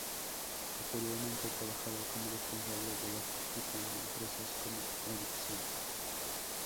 Posteriormente ha trabajado como responsable de logística en empresas como Ericsson.